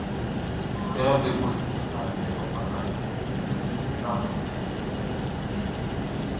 Kɛ be ko di aliɛʼn, ɔ fata kɛ be wunnzin be saʼm be nun.